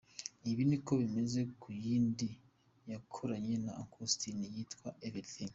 Ibi niko bimeze ku yindi yakoranye na Uncle Austin yitwa “Everything”.